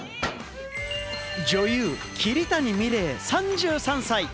女優・桐谷美玲、３３歳。